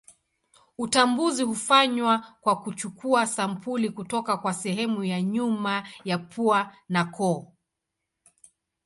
Utambuzi hufanywa kwa kuchukua sampuli kutoka kwa sehemu ya nyuma ya pua na koo.